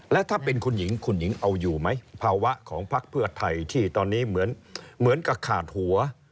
แล้วถ้าเป็นคุณหญิงคุณหญิงเอาอยู่ไหมภาวะของพักเพื่อไทยที่ตอนนี้เหมือนกับขาดหัว